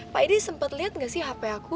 pak edi sempet liat gak sih hp aku